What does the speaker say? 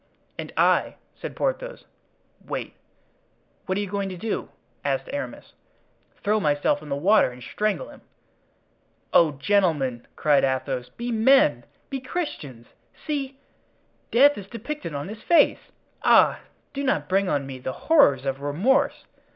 "And I," said Porthos. "Wait." "What are you going to do?" asked Aramis. "Throw myself in the water and strangle him." "Oh, gentlemen!" cried Athos, "be men! be Christians! See! death is depicted on his face! Ah! do not bring on me the horrors of remorse!